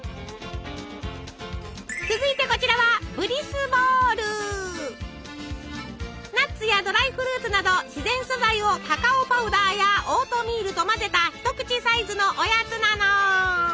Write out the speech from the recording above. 続いてこちらはナッツやドライフルーツなど自然素材をカカオパウダーやオートミールと混ぜた一口サイズのおやつなの。